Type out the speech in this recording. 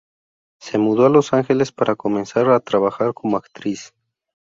Se mudó a Los Ángeles para comenzar a trabajar como actriz.